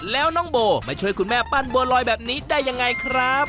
แล้วน้องโบมาช่วยคุณแม่ปั้นบัวลอยแบบนี้ได้ยังไงครับ